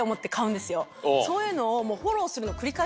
そういうのを。